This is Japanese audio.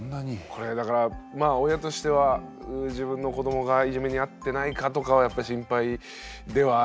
これはだからまあ親としては自分の子どもがいじめにあってないかとかはやっぱ心配ではあるよね。